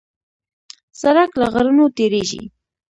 سړک له غرونو تېرېږي.